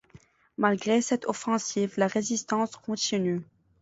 Malgré cette offensive, la résistance continue.